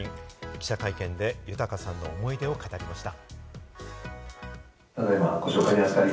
記者会見で豊さんの思い出を語りました。